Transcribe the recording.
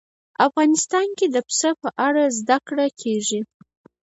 افغانستان کې د پسه په اړه زده کړه کېږي.